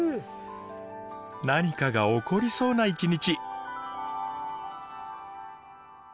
何かが起こりそうな一日。